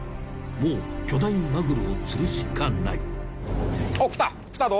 もう巨大マグロを釣るしかない。